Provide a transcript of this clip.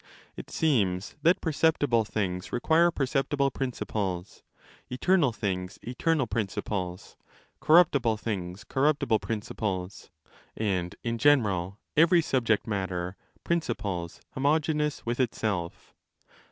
It seems that perceptible things require perceptible principles, eternal things eternal principles, corruptible things cor ruptible principles; and, in general, every subject matter principles homogeneous with itself.